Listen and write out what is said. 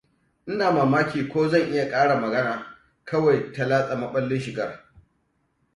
Ina mamaki ko zan iya ƙara magana kawai ta latsa maɓallin Shigar.